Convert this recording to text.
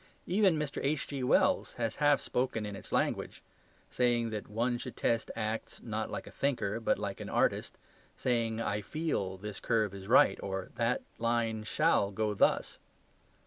Even Mr. H.G.Wells has half spoken in its language; saying that one should test acts not like a thinker, but like an artist, saying, "I FEEL this curve is right," or "that line SHALL go thus."